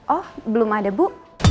oh belum ada bu